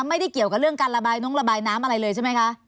ไม่ได้เกี่ยวกับเรื่องการระบายน้องระบายน้ำอะไรเลยใช่ไหมคะ